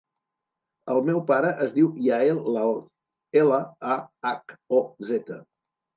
El meu pare es diu Yael Lahoz: ela, a, hac, o, zeta.